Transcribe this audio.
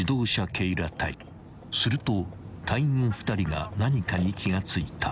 ［すると隊員２人が何かに気が付いた］